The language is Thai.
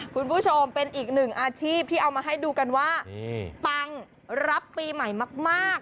คุณผู้ชมเป็นอีกหนึ่งอาชีพที่เอามาให้ดูกันว่าปังรับปีใหม่มาก